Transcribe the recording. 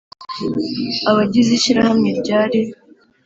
abagize ishyirahamwe ryari